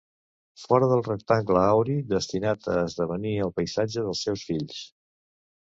Fora del rectangle auri destinat a esdevenir el paisatge dels seus fills.